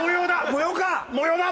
模様だ！